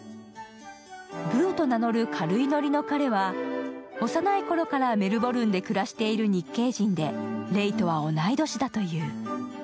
ブーと名乗る軽いノリの彼は幼いころからメルボルンで暮らしている日系人でレイとは同い年だという。